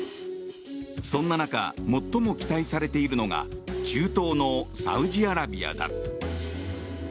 そんな中最も期待されているのが中東のサウジアラビアだ。